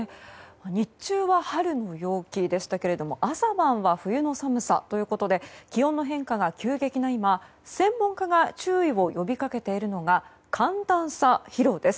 日中は春の陽気でしたが朝晩は冬の寒さということで気温の変化が急激な今、専門家が注意を呼び掛けているのは寒暖差披露です。